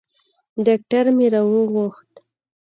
ډاکتر مې راوغوښت.